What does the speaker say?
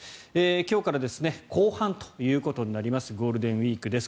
今日から後半ということになりますゴールデンウィークです。